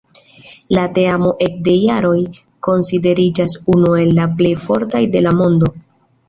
La teamo ekde jaroj konsideriĝas unu el la plej fortaj de la mondo.